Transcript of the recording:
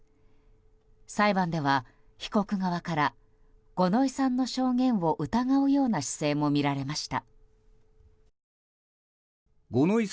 裁判では被告側から五ノ井さんの証言を疑うような姿勢も見られました。